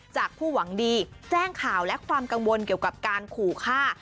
ผู้หวังดีแจ้งข่าวและความกังวลเกี่ยวกับการขู่ฆ่า